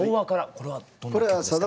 これはどんな曲ですか？